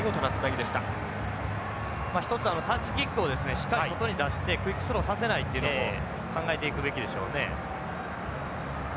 しっかり外に出してクイックスローをさせないっていうのも考えていくべきでしょうね。